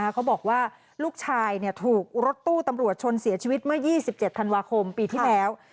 เขาบอกว่าลูกชายถูกรถตู้ตำรวจชนเสียชีวิตเมื่อ๒๗ธันวาคมปีที่แล้ว